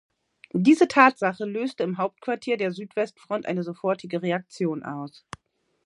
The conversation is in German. Diese Tatsache löste im Hauptquartier der Südwestfront eine sofortige Reaktion aus.